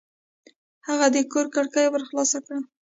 هغه د کور کړکۍ ورو خلاصه کړه.